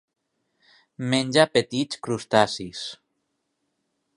Menja petits crustacis.